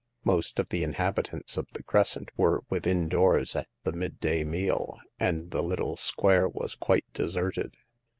Most of the inhabitants of the Crescent were within doors at the midday meal, and the little square was quite deserted.